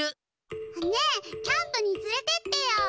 ねえキャンプにつれてってよ！